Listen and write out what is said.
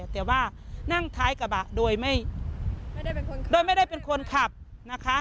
แต่ว่านั่งท้ายกระบะโดยไม่ได้เป็นคนขับนะคะ